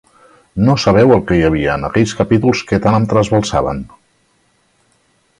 No sabeu el què hi havia en aquells capítols que tant em trasbalsaven.